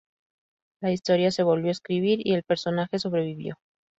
La historia se volvió a escribir y el personaje sobrevivió.